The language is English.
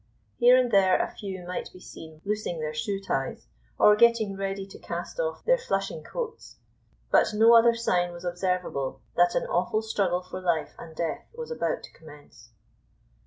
Here and there a few might be seen loosing their shoe ties, or getting ready to cast off their flushing coats; but no other sign was observable that an awful struggle for life and death was about to commence.